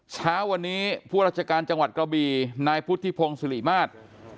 เช้าวันนี้ผู้ราชการจังหวัดกระบีนายพุทธิพงศิริมาตร